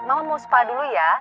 mama mau spa dulu ya